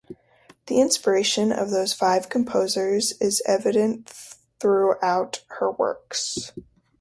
The inspiration of those five composers is evident throughout her works.